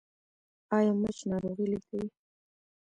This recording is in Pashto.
ایا مچ ناروغي لیږدوي؟